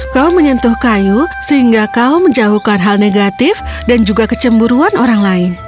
kau menyentuh kayu sehingga kau menjauhkan hal negatif dan juga kecemburuan orang lain